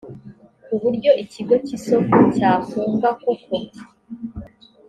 ku buryo ikigo cy isoko cyafunga koko